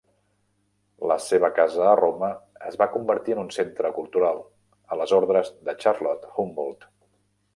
La seva casa a Roma es va convertir en un centre cultural a les ordres de Charlotte Humboldt.